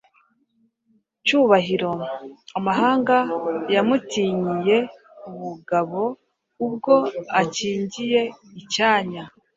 Cyubahiro amahanga yamutinyiye ubugabo ubwo akangiye icyanya,